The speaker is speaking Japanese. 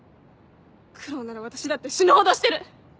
苦労なら私だって死ぬほどしてる！